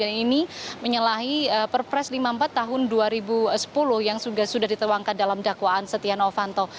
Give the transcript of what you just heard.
dan ini menyalahi perpres lima puluh empat tahun dua ribu sepuluh yang sudah ditewangkan dalam dakwaan setia novanto